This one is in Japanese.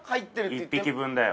１匹分だよ。